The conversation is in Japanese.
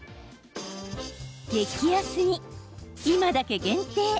「激安」に「今だけ限定」。